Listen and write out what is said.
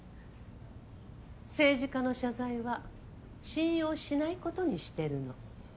政治家の謝罪は信用しないことにしてるの。